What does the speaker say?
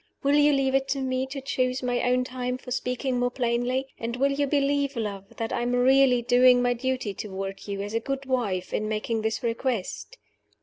Will you leave it to me to choose my own time for speaking more plainly? And will you believe, love, that I am really doing my duty toward you, as a good wife, in making this request?"